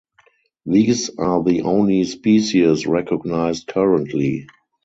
These are the only species recognized currently.